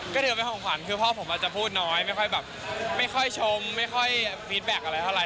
ก็เดินไปของขวัญคือพ่อผมอาจจะพูดน้อยไม่ค่อยแบบไม่ค่อยชมไม่ค่อยฟีดแบ็คอะไรเท่าไ